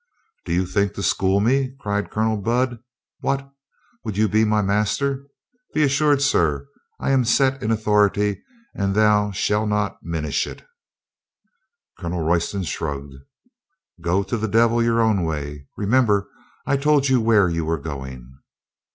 "Do you think to school me?" cried Colonel Budd. "What! Would you be my master? Be as sured, sir, I am set in authority and thou shalt not minish it." Colonel Royston shrugged. "Go to the devil your own way. Remember, I told you where you were going."